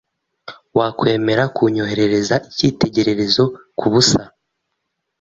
Wakwemera kunyoherereza icyitegererezo kubusa?